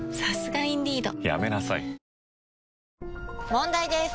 問題です！